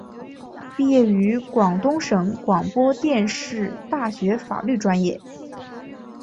毕业于广东省广播电视大学法律专业。